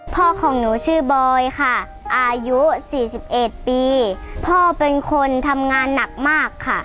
พ่อของหนูชื่อบอยค่ะอายุ๔๑ปีพ่อเป็นคนทำงานหนักมากค่ะ